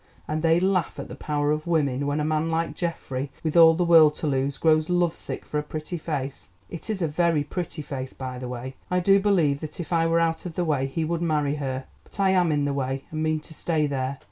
and they laugh at the power of women when a man like Geoffrey, with all the world to lose, grows love sick for a pretty face; it is a very pretty face by the way. I do believe that if I were out of the way he would marry her. But I am in the way, and mean to stay there.